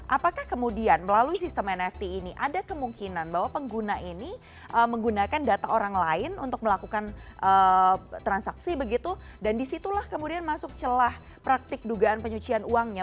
apakah kemudian melalui sistem nft ini ada kemungkinan bahwa pengguna ini menggunakan data orang lain untuk melakukan transaksi begitu dan disitulah kemudian masuk celah praktik dugaan pencucian uangnya